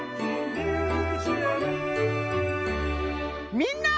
みんな！